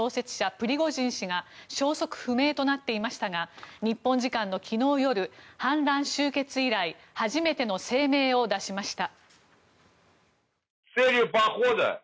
プリゴジン氏が消息不明となっていましたが日本時間の昨日夜反乱終結以来初めての声明を出しました。